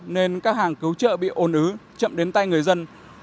nên các hàng cứu trợ bị ồn ứ chậm đến tay người dân